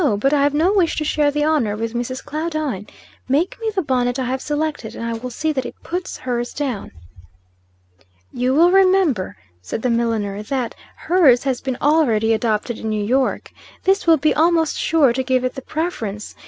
But I have no wish to share the honor with Mrs. Claudine. Make me the bonnet I have selected, and I will see that it puts hers down." "You will remember," said the milliner, "that hers has been already adopted in New York. This will be almost sure to give it the preference.